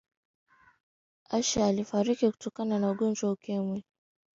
ashe alifariki kutokana na ugonjwa wa ukimwi